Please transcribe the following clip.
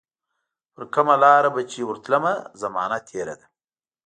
پرکومه لار به چي ورتلمه، زمانه تیره ده